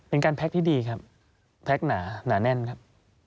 เป็นการแพ็คที่ดีครับแพ็คหนาหนาแน่นครับ